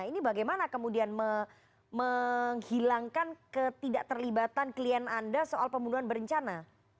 ini bagaimana kemudian menghilangkan ketidakterlibatan klien anda soal pembunuhan berencana